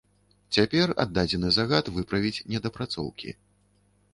Цяпер аддадзены загад выправіць недапрацоўкі.